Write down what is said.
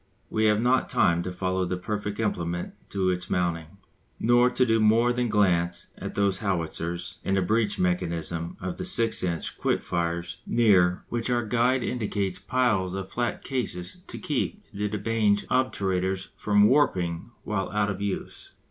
We have not time to follow the perfect implement to its mounting, nor to do more than glance at those howitzers and the breech mechanism of the 6 inch quick firers near which our guide indicates piles of flat cases to keep the de Bange obturators from warping while out of use.